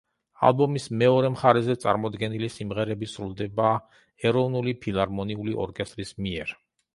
ალბომის მეორე მხარეზე წარმოდგენილი სიმღერები სრულდება ეროვნული ფილარმონიული ორკესტრის მიერ.